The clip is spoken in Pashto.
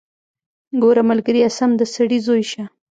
ګوره ملګريه سم د سړي زوى شه.